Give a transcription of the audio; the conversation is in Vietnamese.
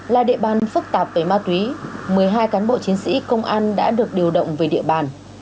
là địa bàn phức tạp về ma túy một mươi hai cán bộ chiến sĩ công an đã được điều động về địa bàn